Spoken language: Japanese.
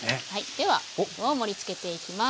では盛りつけていきます。